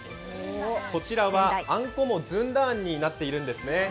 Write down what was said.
こちらは、あんこも、ずんだあんになっているんですね。